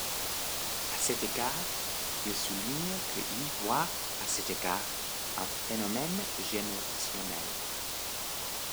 À cet égard, il souligne que y voit à cet égard un phénomène générationnel.